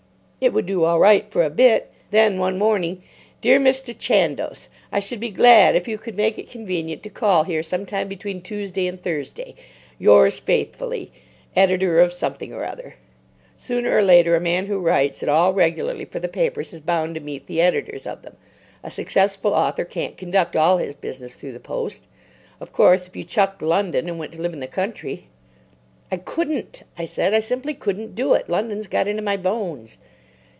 It would do all right for a bit. Then one morning: 'Dear Mr. Chandos,—I should be glad if you could make it convenient to call here some time between Tuesday and Thursday.—Yours faithfully. Editor of Something or other.' Sooner or later a man who writes at all regularly for the papers is bound to meet the editors of them. A successful author can't conduct all his business through the post. Of course, if you chucked London and went to live in the country——" "I couldn't," I said. "I simply couldn't do it. London's got into my bones."